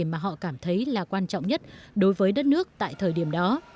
mà họ cảm thấy là quan trọng nhất đối với đất nước tại thời điểm đó